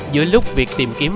giữa lúc việc tìm kiếm